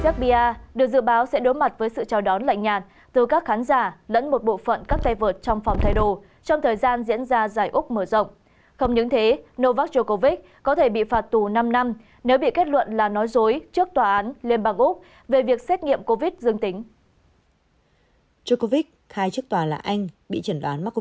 các bạn hãy đăng ký kênh để ủng hộ kênh của chúng mình nhé